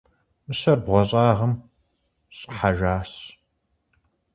Мыщэр бгъуэщӏагъым щӏыхьэжащ.